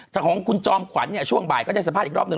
ถ้าของคุณจอมขวัญเนี่ยช่วงบ่ายก็ได้สัมภาษณ์อีกรอบนึ